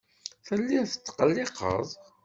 Telliḍ tetqelliqeḍ.